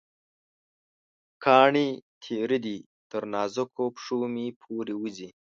کاڼې تېره دي، تر نازکو پښومې پورې وځي